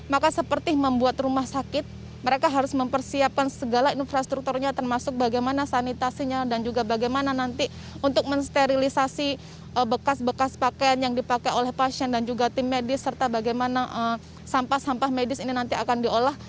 maka seperti membuat rumah sakit mereka harus mempersiapkan segala infrastrukturnya termasuk bagaimana sanitasinya dan juga bagaimana nanti untuk mensterilisasi bekas bekas pakaian yang dipakai oleh pasien dan juga tim medis serta bagaimana sampah sampah medis ini nanti akan diolah